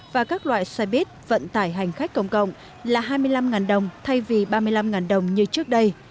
và các loại xe bít vận tải hành khách công cộng là hai mươi năm đồng thay vì ba mươi năm đồng như trước đây